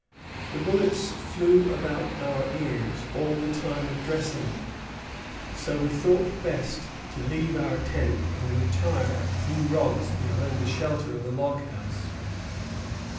"The bullets flew about our ears all the time of dressing them; so we thought best to leave our tent and retire a few rods behind the shelter of a log house."